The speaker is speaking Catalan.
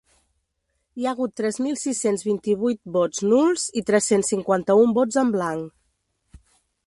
Hi ha hagut tres mil sis-cents vint-i-vuit vots nuls i tres-cents cinquanta-un vots en blanc.